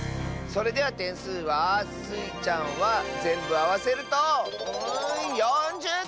それではてんすうはスイちゃんはぜんぶあわせると４０てん！